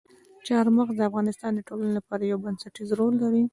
چار مغز د افغانستان د ټولنې لپاره یو بنسټيز رول لري.